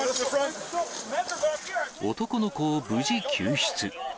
男の子を無事救出。